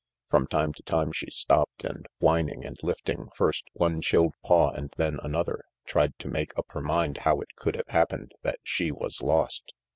From time to time she stopped and, whining and lifting first one chilled paw and then another, tried to make up her mind how it could have happened that she was lost.